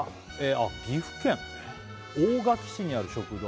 あっ「岐阜県」「大垣市にある食堂